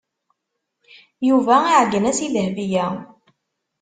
Yuba iɛeggen-as i Dahbiya.